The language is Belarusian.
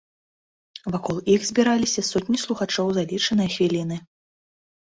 Вакол іх збіраліся сотні слухачоў за лічаныя хвіліны.